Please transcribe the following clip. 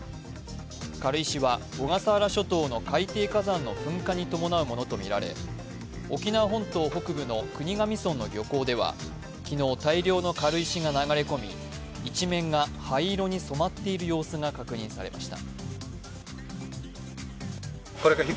軽石は小笠原諸島の海底火山の噴火に伴うものとみられ沖縄本島北部の国頭村の漁港では昨日、大量の軽石が流れ込み一面が灰色に染まっている様子が確認されました。